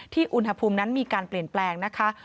อุณหภูมินั้นมีการเปลี่ยนแปลงนะคะ